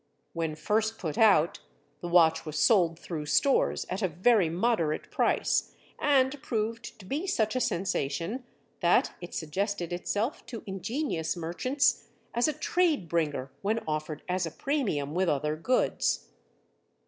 When first put out, the watch was sold through stores at a very moderate price and proved to be such a sensation that it suggested itself to ingenious merchants as a trade bringer when offered as a premium with other goods.